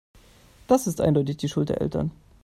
Das ist eindeutig die Schuld der Eltern.